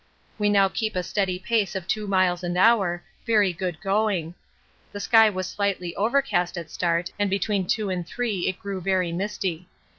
We now keep a steady pace of 2 miles an hour, very good going. The sky was slightly overcast at start and between two and three it grew very misty.